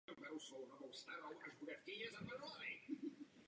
Následoval nadšený ohlas odborné kritiky i široké veřejnosti.